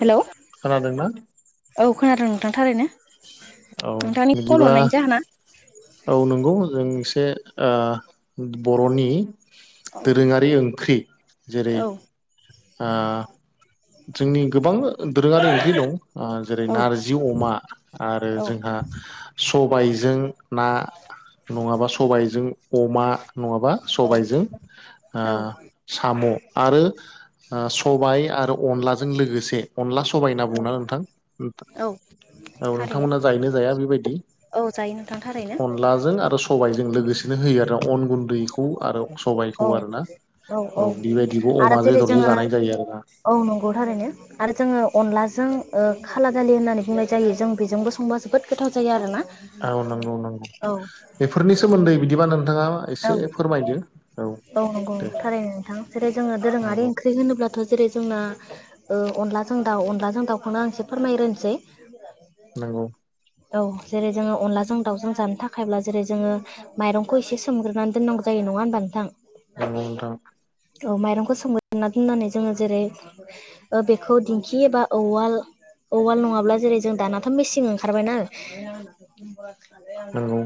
Hello, खोनादोंना औ खोनादों नोंथां थाररैनो। औ नोंथांनि कल बिदिबा हरनायनि जाहोना? औ नंगौ जों एसे आ बर'नि औ दोरोङारि ओंख्रि जेरै औ आ जोंनि गोबां दोरोङारि ओंख्रि दं आ जेरै नारजि औ जि अमा आरो जोंहा सबायजों ना नङाबा सबायजों अमा, नङाबा सबायजों आ औ साम' आरो ओ सबाय आरो अनलाजों लोगोसे अनला सबाय होनना बुङोना नोंथां? औ औ। औ नोंथांमोना जायोना जाया बेबायदि। बे नोंथां थारैनो। अनलाजों आरो सबायजों लोगोसेनो होयो आरो अन गुन्दैखौ खौ आरो सबाइखौ औ आरो ना औ बेबायदिबो आरो अमाजों जेरै दरजों जोङो जानाय जायो आरोना। औ नंगौ थारैनो। आरो जोङो अनलाजों ओ खाला दालि होननानै बुंनाय जायो जों बेजोंबो संबा जोबोद गोथाव जायो आरोना। औ नंगौ नंगौ। औ बेफोरनि सोमोन्दै बिदिबा नोंथाङा औ एसे फोरमायदो औ नंगौ दे नंगौ थारनो नोंथां जेरै जोङो दोरोङारि नंगौ ओंख्रि होनोब्लाथ' जेरै जोंना ओ अनलाजों दाउ, अनलाजों दाखौनो आं एसे फोरमायगोनोसै। नंगौ। औ जेरै जोङो अनलाजों दाउजों जानो थाखायब्ला जेरै जोङो माइरंखौ एसे सोमग्रोनानै दोननांगौ जायो नङा होमबा नोंथां? नोंगौ नोंथां। औ माइरंखौ सोमग्रोना दोननानै जोङो जेरै ओ बेखौ दिंखि एबा औवाल औवाल नङाब्ला जेरै जों दानाथ' मेसिं ओंखारबायना नंगौ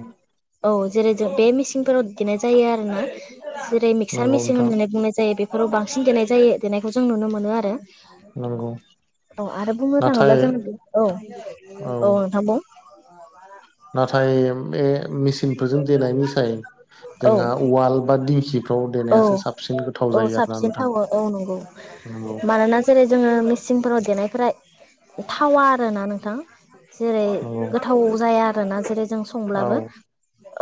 औ जेरै जो बे मिसिंफोराव देनाय जायो आरो ना। जेरै मिक्सार नंगौ मेसिन नोंथां होननानै बुंनाय जायो। बेफोराव बांसिन देनाय जायो देनायखौ जों नुनो मोनो आरो। नंगौ औ आरो बुंनो नाथाय थाङोब्ला जों औ औ नोंथांखौ बुं। नाथाय बे मेसिनफोरजों देनायनि साय जोंहा औ बाल बा दिंखिफ्राव औ देनायासो साबसिन गोथाव औ जायो आरो ना साबसिन नोंथां थावो औ नंगौ नोंगौ मानोना जेरै जोङो मेसिंफोराव देनायफोरा थावा आरोना नोंथां जेरै नंगौ गोथाव जाया आरोना जेरै जों सं औ संब्लाबो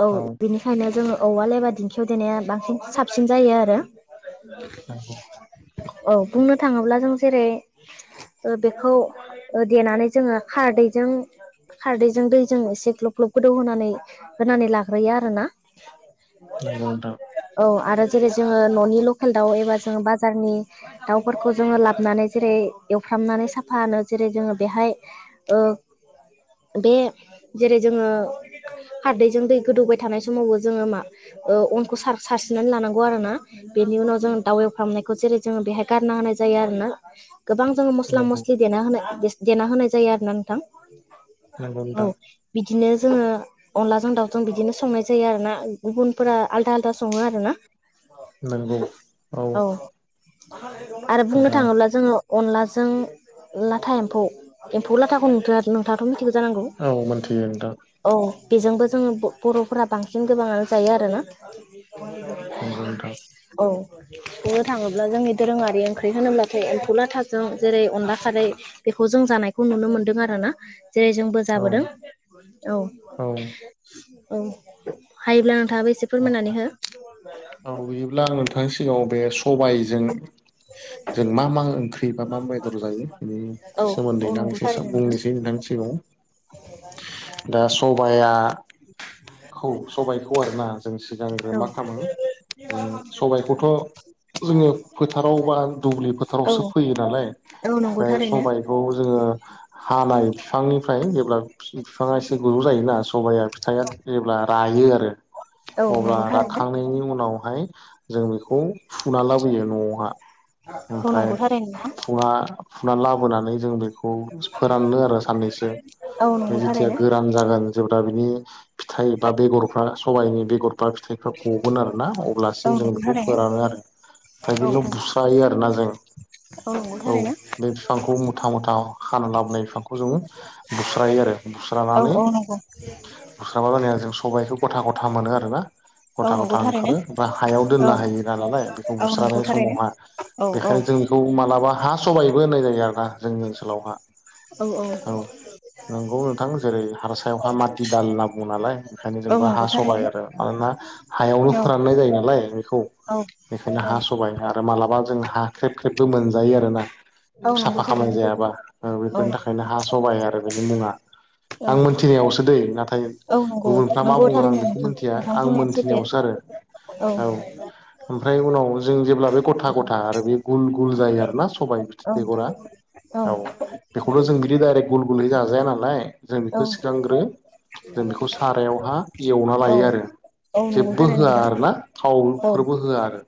औ बिनिखायनो जोङो औवा लेबा दिंखियाव देनाया बांसिन साब साबसिन जायो आरो नंगौ औ बुंनो थाङोब्ला जों जेरै ओ बेखौ देनानै जोङो खारदैजों खारदैजों दैजों एसे ग्लब ग्लब गोदौ होनानै होनानै लाग्रोयो आरो ना। नंगौ नोंथां। औ आरो जेरै जोङो न'नि लकेल दाउ एबा जोङो बाजारनि दाउफोरखौ जोङो लाबोनानै जेरै एवफ्रामनानै साफानो जेरै जोङो बेहाय ओ बे जेरै जोङो ‌ हारदैजों दै गोदौबाय थानाय समावबो जोङो मा ओ अनखौ सार नानै लानांगौ आरोोना बेनि उनाव जों दाउ एवफ्रामनायखौ जेरै जोङो बेहाय गारना होनाय जायो आरो ना गोबां जोङो मस्ला नंगौ मस्लि देना होनाय देना होनाय जायो आरोना नोंथां नंगौ औ नोंथां बिदिनो जोङो अनलाजों दावजों बिदिनो संनाय जायो आरो ना गुबुनफोरा आलदा आलदा सङो आरो [unintelligible] नोंगौ औ आरो बुंनो दा थाङोब्ला जोङो अनलाजों लाथा एम्फौ एम्फौ लाथाखौ नुदो आरो नोंथाङाथ' मिथिगौ जानांगौ औ मोनथियो नोंथां औ बेजोंबो जोङो ब-बर'फोरा बांसिन गोबाङानो जायो आरोना [inaudible] नोंगौ नोंथां औ बुंनो थाङोब्ला जोंनि दोरोङारि ओंख्रि होनोब्लाथाय एम्फौ लाथों जेरै अनला खारै बेखौ जों जानायखौ नुनो मोनदों आरो ना जेरै जोंबो औ जाबोदों औ औ हायोब्ला नोंथाङाबो एसे नंगौ फोरमायनानै हो औ बिदिब्ला आं नोंथांनि सिगाङाव बे सबायजों जों मा मा ओंख्रि बा मा मा बेदर जायो बे औ औ सोमोन्दै नोंथां नंगौ एसेसो थारैनो नोंथां बुंनोसै नोंथांनि सिगाङाव। दा सबाया सबायाइखौ आरोना जों सिगांग्रो औ मा खालामो जों सबायखौथ' जोङो फोथाराव बा दुब्लि औ फोथारावसो फोयो नालाय औ नंगौ ओफ्राय थारैनो सबाय खौ जोङो हानाय बिफांनिफ्राय जेब्ला फिफाङा एसे गलौ जायोना सबाइाया फिथाइआ जेब्ला रायो आरो औ अब्ला नंगौ थारैनो राखांनायनि उनावहाय जों बेखौ फुना लाबोयो न'आवहा औ ओमफ्राय नंगौ थारैनो नोंथां फुङा फुनानै लाबोनानै जों बेखौ फोराननो आरो साननैसो औ बे नंगौ जेथिया थारैनो गोरान जागोन जेब्ला बिनि फिथाइ बा बेगरफ्रा सबाइनि बेगर बा फिथाइफ्रा गगोन आरोना औ अब्लासिम जों नंगौ बेखौ थारैनो फोरानो आरो औ [unintelligible] औ बुसायो आरोना जों औ नंगौ थारैनो बे बिफांखौ मुथा मुथा खाना लाबोनाय बिफां खौ जों बुस्रायो आरो औ बुस्रानानै औ नंगौ गुस्राबा मानेया जों सबबायखौ गथा गथा मोनो आरोना औ गथा नंगौ गथा थारैनो ओंखारो ओमफ्राय हायाव औ दोननो हायो ना नालाय बेखौ औ नंगौ बुस्रनाय थारैनो समावहा औ औ बेखायनो जों बेखौ मालाबा हा सबायबो होननाय जायो आरोना जोंनि ओनसोलावहा औ औ नोंगौ नोंथां जेरै हार सायावहा माथि दाल होनना बुङो नालाय ओंखायनो औ जोंबो हा नंगौ सबबाय थारैनो आरो मानोना हायावनो औ फोराननाय जायो नालाय बेखौ औ बेखायनो औ हा सबाय आरो मालाबा जों हा ख्रेब ख्रेबबो मोनजायो आरोना? औ नंगौ साफा खामनाय थारैनो सैथो जायाबा औ बेफोरनि थाखायनो हा सबाइ आरो बेनि मुङा। औ आं मोनथिनायावसो दै नाथाय औ नंगौ गुबुनफ्रा मा नंगौ बुङो आं थारैनो बेखौ नोंथां मिथिया नोंथां बुंनाया सैथो मोनथिनायावसो आरो औ ओमफ्राय उनाव जों जेब्ला गथा गथा आरो बे गुल गुल जायो आरोना सबबाय औ बेगरा औ बेखौथ' जों बिदि डायरेक्ट गुल गुलै जाजाया नालाय जों औ बेखौ सिगांग्रो जों बेखौ सारायावहा एवना औ लायो आरो औ नंगौ जेबो थारैनो होआ नोंथां आर ना औ थावफोरबो होआ आरो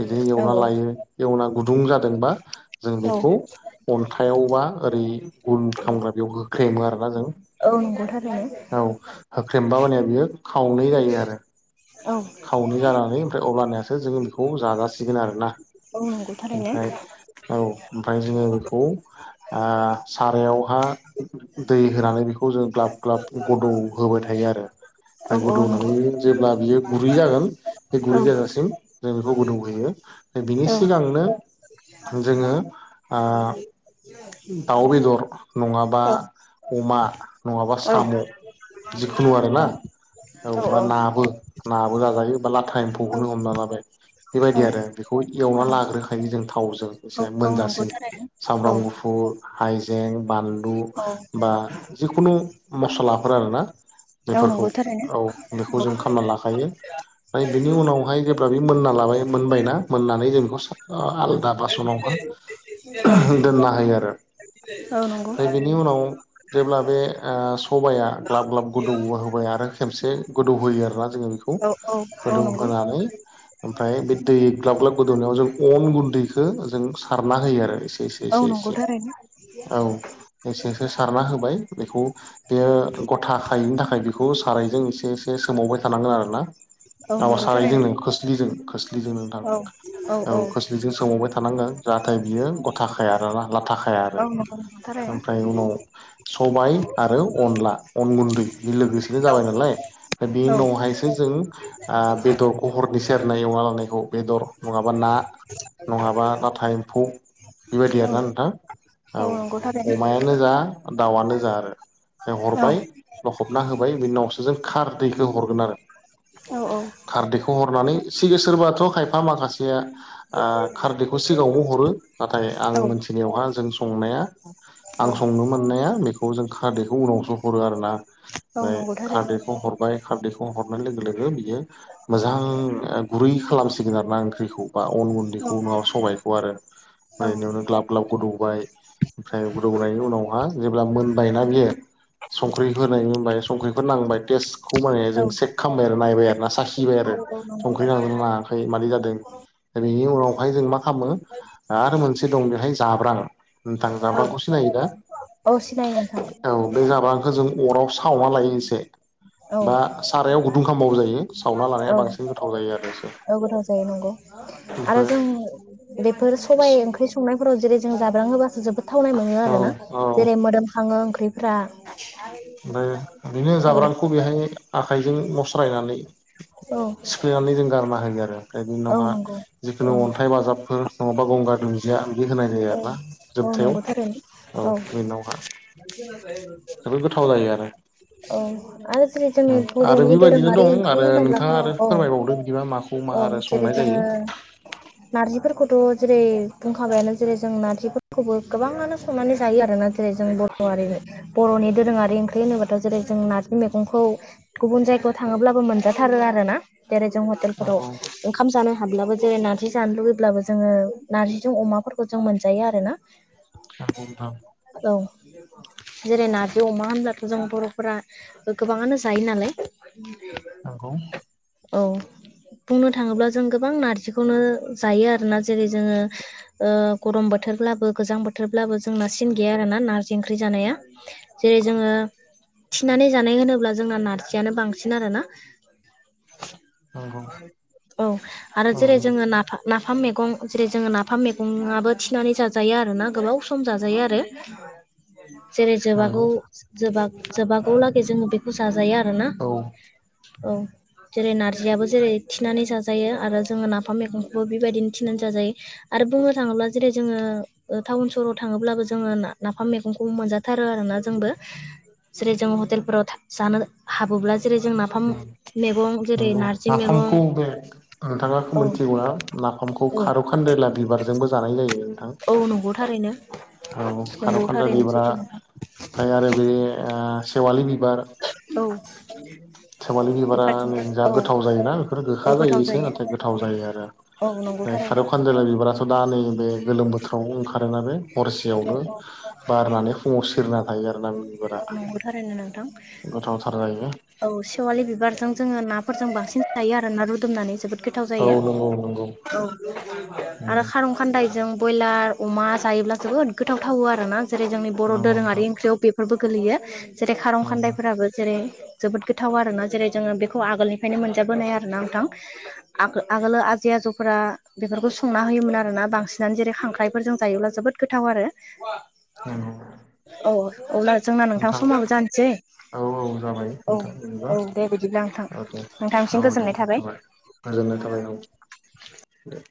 बिदिनो औ एवना लायो एवना गुदुं जादोंबा जों बेखौ औ अन्थायाइावबा ओरै गुल खामग्रा बेयाव होख्रेमो आरो जों औ नंगौ थारैनो औ होख्रेमब मानायया बियो खावनै जायो। औ खावनि जानानै ओमफ्राय अबनियासो जोङो बेखौ जाजासिगोन आरो ना? औ नंगौ थारैनो ओमफ्राय औ ओमफ्राय जोङो बेखौ सारायावहा दै होनानै बेखौ जों ग्लाब ग्लाब गद' होबाय थायो आरो औ जाय औ नंगौ गोदौनानै जेब्ला बियो गुरै जागोन बे औ गुरै जाजासिम जों बेखौ गोदौ होयो बिनि औ सिगांनो जोङो ओ [unintelligible] दाउ बेदर नङाबा औ अमा नङाबा औ साम' जिखुनु आर औ नाबा औ नाबो नाबो जाजायो बाला टाइम फखौनो हमना लाबाय। बेबायदि आरो बेखौ एवना लाग्रोखायो जों थावजों एसे औ नंगौ मोनजासिन थारैनो सामब्राम औ गुफुर हाइजें बानलु बा जिखुनु मसलाफोर आरो ना? औ बेफोरखौ नंगौ थारैनो औ बेखौ औ जों खालामना लाखायो। फाय बिनि उनावहाय जेब्ला बे मोनना लाबाय मोनबायना मोननानै जों बेखौ आलदा बासनाव हा औ दोननो हायो आरो औ नंगौ। ओमफ्राय बेनि उनाव जेब्ला बे सबाया ग्लाब ग्लाब गोदौ होबाय आरो खेबसे गोदौ होयो आरोना जोङो औ औ औ गोदौ नंगौ होनानै ओमफ्राय बे दै ग्लाब ग्लाब गोदौनायाव जों अन गुन्दैखौ जों सारना होयो आरो एसे एसे औ एसे नंगौ एसे थारैनो औ एसेसो सारना होबाय। बेखौ बेयो गथा खायैनि थाखाय बेखौ सारायजों एसे एसे सोमावबाय थानांगोन आरो औ औ नंगौ सारायजों नों थारैनो खोस्लिजों खोस्लिजों नोंथां औ औ खोस्लिजों सोमावबाय थानांगोन। जाहाथथाय बियो गथाखाया आरोना लाथाखाया औ आरो नंगौ नंगौ थारैनो ओमफ्राय उनाव सबाय आरो अनला अन गुन्दै बे लोगोसेनो औ जाबाय नालाय दा बेनि औ उनाव हाय जों बेदरखौ हरनो सेरनाय अमा लांनायखौ बेदर नङाबा ना नङाबा नाथाय एम्फौ बेबायदि आरोना नोंथां? नंगौ औ थारैनो अमायानो जा दाउआनो जा आरो ओमफ्राय औ हरबाय। लखबना होबाय बेनि उनावसो जों खार दैैखौ हरगोन आरो औ औ खारदैखौ हरनानै सिगां सोरबाथ' खायफा माखासेया खारदखौ सिगाङावनो हरो नाथाय आं औ मोनसे दिनियावहा जों संनाया आं संनो मोननाया बेखौ जों खारदैखौ उनावसो हरो आरो ना? औ ओमफ्राय नंगौ थारैनो औ खारदैखौ हरबाय। खारदैखौ हरनाय लोगो लोगो बियो मोजां गुरै सिगोनार ना ओंख्रिखौ बा अन गुन्दैखौ नङा सबायखौ आरो ओमफ्राय बेयावनो ग्लाब ग्लाब गोदौबाय ओमफ्राय गोदौनायनि उनावहा जेब्ला मोनबाय ना बियो संख्रि बाय संख्रिखौ नांबाय टेस्टखौ माने जों चक ख खालामबाय आरो नायबाय आरो ना साखिबाय आरो नंगौ संख्रि नांदों ना नाङाखै आ मादै जादों दा बेनि उनावहाय जों मा खालामो आरो मोनसे दं बेहाय जाब्रां नोंथां औ जाब्रांखौ सिनायो दा औ सिनायो नोंथां औ बे जाब आखौ जों अराव सावना लायो इसे औ बा सा सायाव गुदुं खालामबावो जायो सावना औ लानाया बांसिन गोथाव जायो आरो इसोर। औ गोथाव जायो नंगौ आरो जों बेफोर सबाय ओंख्रि संनायफोराव जेरै जों जाब्राङोबासो जोबोद थावनाय मोनो औ आर ना जेरै मोदोमखाङो ओंख्रिफ्रा ओमफ्राय ओरैनो औ जाब्रांखौ बेहाय आखाइजों मस्रायनानै औ सिखायनानै जों गारना होयो आरो। ओमफ्राय औ उनावहा नंगौ औ जिखुनु अन्थाइ बाजाबफोर नङाबा गंगार द बिहादि होनाय जायो औ आरोना औ जोबथायाव औ ननावहा मानसिनाय सथ थाव जायो आरो। औ आरो। जेरै जोंङनि औ आरो बर'नि बेबायदिनो दोरोङारि दं ओंख्रि आरो होनोब्लाथ' नोंथाङा आरो औ फोरमायबावदो बिदिबा माखौ मा औ आरो जेरै संनाय जायो जोङो नारजिफोरखौथ' जेरै बुंखाबायानो जेरै जों नारजिफोरखौबो गोबाङानो संनानै जायो आरोना जेरै जों बर' हारिनि बर'नि दोरोङारि ओंख्रि होनोबाथाव जेरै जों नारजि मेगंखौ गुबुन जायगायाव थाङोब्लाबो मोनजाथारो आर ना जेरै जों हटेलफोराव नंगौ ओंखाम जानो हाब्लाबो जेरै नारजि जानो लुुबैब्लाबो जोङो नारजिजों अमाफोरखौ खौ जों मोनजायो आरो ना [unintelligible] औ जेरै नारजि अमा होनब्लाथ' जों बर'फोरा गोबाङानो जायो नालाय नंगौ औ बुंनो थाङोब्ला जों गोबां नारजिखौनो जायो आरोोना जेरै जोङो गरम बोथोरब्लाबो गोजां बोथोरब्लाबो जों नासिन गैया आरो ना नारजि ओंख्रि जानाया जेरै जोङो थिनानै जानाय होनोब्ला जोंना नारजियानो बांसिन आरोना [inaudible] औ आरो औ जेरै जोङो न नाफाम मैगं जेरै जोङो नाफाम बो थिनानै जाजायो आर ना गोबाव सम जाजायो आरो जेरै नंगौ जोबागौ जोबागौ लागै जोङो बेखौ जाजायो आरोना औ औ जेरै नारजियाबो जेरै थिनानै जाजायो आरो जोङो नाफाम मैगंखौबो बेबायदिनो थिनानै जाजायो आरो ब थाङोब्ला जेरै जोङो टाउन सहराव थाङोब्लाबो जोङो नाफाम मैगंखौ मोनजाथारो आरोना जोंबो जेरै जों हटेलफोराव जानो हाबोब्ला जेरै जों ना नोंगौ मैगं नाफामखौ बे नोंथाङा औ मिथिगौ नाफामखौ औ खार दखानदेला बिबारजोंबो जानाय जायो नोंथां औ नंगौ थारैनो औ खारौ नंगौ खान्दा थारैनो बिबारा सैथो मोनथाम ओमफ्राय आरो बे सेवालि बिबार औ। सेवालि बिबारा बेफोरजोंबो जाोंहा औ गोथाव जायोना बेफोरो औ गोखा जायो गोथाव इसे नाथाय गोथाव जायो आरो। औ नंगौ नै थारैनो खारौ खानजाला बिबाराथ' दा नैबे गोलोम बोथोर बोथ्राव ओंखारो ना हरसेयावनो बारनानै फुङाव सेरना थायो आर ना बिबारा। मारै होनदों नोंथां? गोथावथार जायो औ सेवालि बिबारजों जोङो नाफोरजों बांसिन जायो आरो ना रुदुमनानै जोबोद गोथाव औ जायो नंगौ नंगौ औ आरो नंगौ खारं खान्दायजों बयलार अमा जायोब्ला जोबोद गोथाव थावो आरोना जेरै जोंनि बर' नंगौ दोरोङारि नोंथां ओंख्रियाव बेफोरबो गोलैयो। जेरै खारं नंगौ खान्दायफोराबो जेरै जोबोद गोथाव आरोना जेरै जोङो बेखौ आगोलनिफ्रायनो मोनजाबोनाय आरोना नोंथां। आोल आगोल आजै आजौफोरा बेफोरखौ संना होयोमोन आरोना बांसिनानो जेरै खांख्राइफोरजों जायोब्ला जोबोद गोथाव आरो। नंगौ। औ अब्ला जोंना नोंथां समाबो जानोसै। औ औ औ जाबायथां होनबा औ दे बिदिब्ला नोंथां औ दे नोंथांसिम औ गोजोननाय थाबाय। देथाबाय। गोजोननाय थाबाय औ दे।